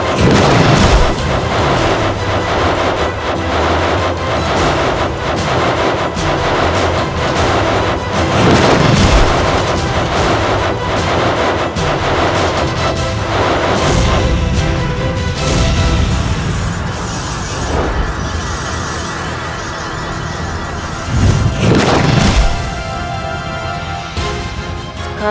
aku harus menolongnya